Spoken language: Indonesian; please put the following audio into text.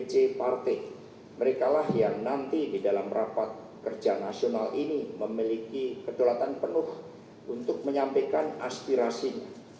mereka lah yang nanti di dalam rapat kerja nasional ini memiliki kedaulatan penuh untuk menyampaikan aspirasi